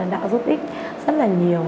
đã giúp ích rất là nhiều